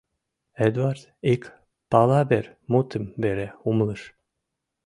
Эдвард ик “палавер” мутым веле умылыш.